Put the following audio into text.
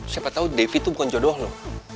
siapa tau devi tuh bukan jodoh lu